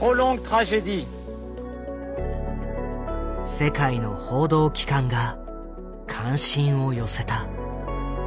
世界の報道機関が関心を寄せた。